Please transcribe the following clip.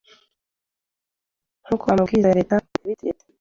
nkuko amabwiriza ya Leta yabitegetse